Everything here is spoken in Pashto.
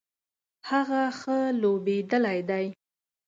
هغه ښه لوبیدلی دی